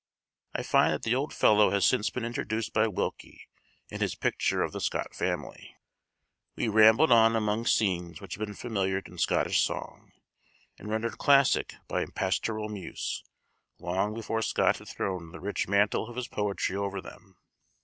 I find that the old fellow has since been introduced by Wilkie, in his picture of the Scott family. We rambled on among scenes which had been familiar in Scottish song, and rendered classic by pastoral muse, long before Scott had thrown the rich mantle of his poetry over them.